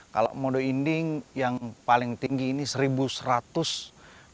kalau modo inding yang paling tinggi ini seribu seratus di atas permukaan